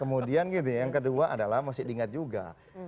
kemudian gitu ya yang kedua adalah masih diingat juga